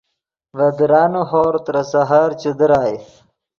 ڤے درانے ہورغ ترے سحر چے درائے